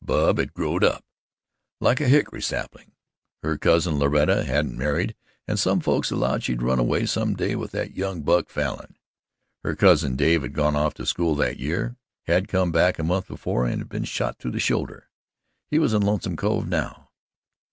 Bub had "growed up" like a hickory sapling. Her cousin Loretta hadn't married, and some folks allowed she'd run away some day yet with young Buck Falin. Her cousin Dave had gone off to school that year, had come back a month before, and been shot through the shoulder. He was in Lonesome Cove now.